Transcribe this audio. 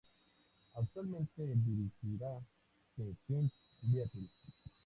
Actualmente dirigirá "The Fifth Beatle".